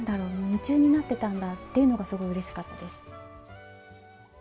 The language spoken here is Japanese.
夢中になってたんだっていうのがすごいうれしかったです。